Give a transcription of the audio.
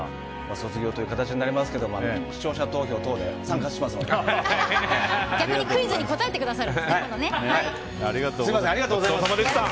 卒業という形になりますけど視聴者投票等で逆にクイズにありがとうございました。